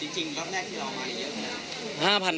จริงรับแรกที่เรามาเยอะมั้ย